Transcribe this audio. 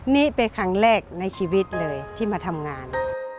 นี่เป็นครั้งแรกในชีวิตเลยที่มาทำงาน